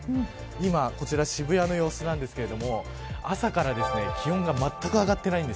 今、こちら渋谷の様子なんですが朝から気温がまったく上がっていません。